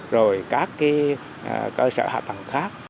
rồi các cơ sở hạ tầng